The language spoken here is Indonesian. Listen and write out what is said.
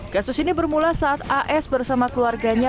kasus ini bermula saat as bersama keluarganya